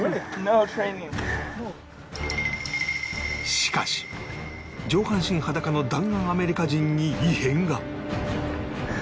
しかし上半身裸の弾丸アメリカ人に異変が